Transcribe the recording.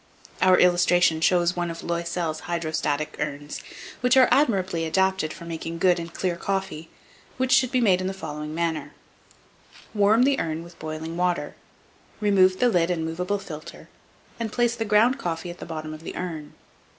Our illustration shows one of Loysel's Hydrostatic Urns, which are admirably adapted for making good and clear coffee, which should be made in the following, manner: Warm the urn with boiling water, remove the lid and movable filter, and place the ground coffee at the bottom of the urn.